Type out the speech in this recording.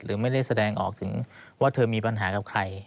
หรือไม่ได้แสดงออกถึงว่าเธอมีปัญหากับใคร